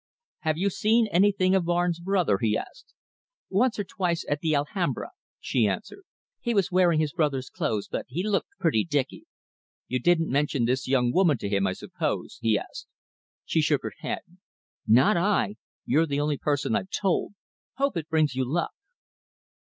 "Have you seen anything of Barnes' brother?" he asked. "Once or twice at the Alhambra," she answered. "He was wearing his brother's clothes, but he looked pretty dicky." "You didn't mention this young woman to him, I suppose?" he asked. She shook her head. "Not I! You're the only person I've told. Hope it brings you luck."